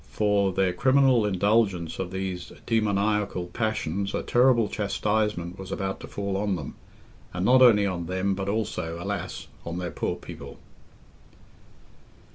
For their criminal indulgence of these demoniacal passions a terrible chastisement was about to fall on them, and not only on them, but also, alas! on their poor people.